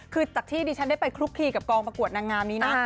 คือจากที่ดิฉันได้ไปคลุกคลีกับกองประกวดนางงามนี้นะ